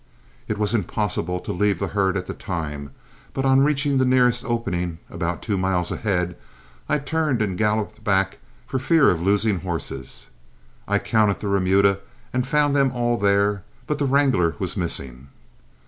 It was impossible to leave the herd at the time, but on reaching the nearest opening, about two miles ahead, I turned and galloped back for fear of losing horses. I counted the remuda and found them all there, but the wrangler was missing.